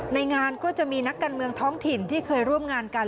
ในงานก็จะมีนักการเมืองท้องถิ่นที่เคยร่วมงานกัน